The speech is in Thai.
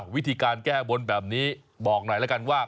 วิธีการแก้บนแบบนี้บอกหน่อยแล้วกันว่า